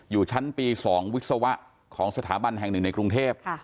อยู่ชั้นปี๒วิศวะของสถาบันแห่งหนึ่งในกรุงเทพ